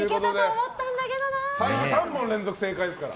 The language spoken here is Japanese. ３問連続正解ですから。